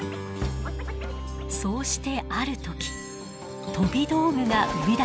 そうしてある時飛び道具が生み出されたのです。